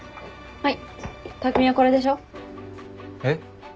はい。